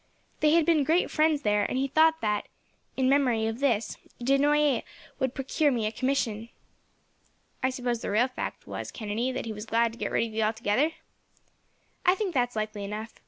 They had been great friends there, and he thought that, in memory of this, de Noailles would procure me a commission." "I suppose the real fact was, Kennedy, that he was glad to get rid of you altogether?" "I think that is likely enough.